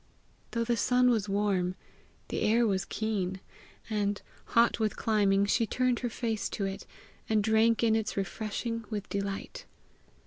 Though the sun was warm, the air was keen, and, hot with climbing, she turned her face to it, and drank in its refreshing with delight.